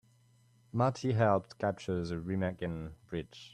Marty helped capture the Remagen Bridge.